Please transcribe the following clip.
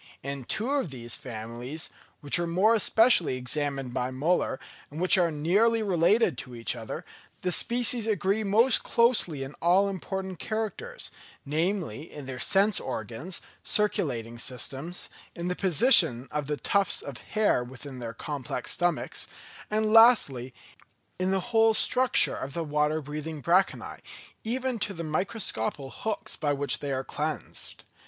In two of these families, which were more especially examined by Müller, and which are nearly related to each other, the species agree most closely in all important characters: namely in their sense organs, circulating systems, in the position of the tufts of hair within their complex stomachs, and lastly in the whole structure of the water breathing branchiæ, even to the microscopical hooks by which they are cleansed.